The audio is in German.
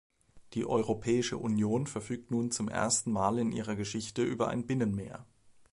Die Europäische Union verfügt nun zum ersten Mal in ihrer Geschichte über ein Binnenmeer.